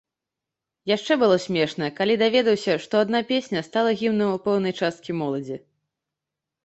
Яшчэ было смешна, калі даведаўся, што адна песня стала гімнам у пэўнай часткі моладзі.